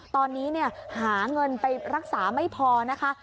ตอนนี้หาเงินไปรักษาไม่พอนะคะ